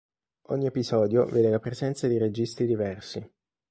Ogni episodio vede la presenza di registi diversi.